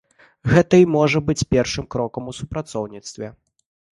Гэта і можа быць першым крокам у супрацоўніцтве.